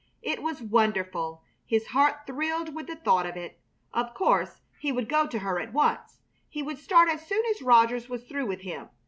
It was wonderful! His heart thrilled with the thought of it. Of course he would go to her at once. He would start as soon as Rogers was through with him.